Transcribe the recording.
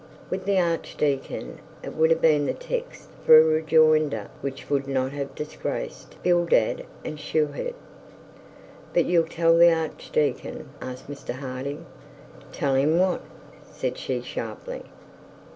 With the archdeacon it would have been the text for a rejoinder, which would not have disgraced Bildad the Shuhite. 'But you'll tell the archdeacon,' asked Mr Harding. 'Tell him what?' said she sharply.